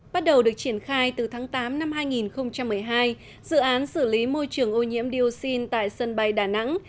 bắt đầu được triển khai từ tháng tám năm hai nghìn một mươi hai dự án xử lý môi trường ô nhiễm dioxin tại sân bay đà nẵng